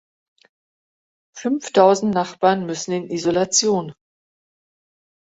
Er ist außerordentlicher Universitätsprofessor an der Universität Salzburg.